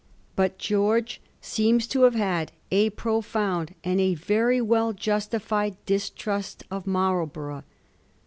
But George seems tiO have had a profound and a very well justified distrust of Marlborough.